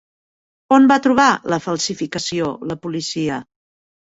On va trobar la falsificació la policia?